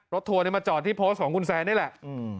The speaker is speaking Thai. ทัวร์มาจอดที่โพสต์ของคุณแซนนี่แหละ